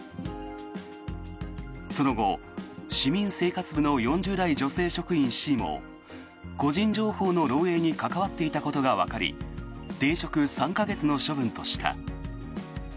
その後市民生活部の４０代女性職員Ｃも個人情報の漏えいに関わっていたことがわかり停職３か月の処分とした。